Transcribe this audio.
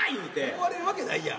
思われるわけないやん。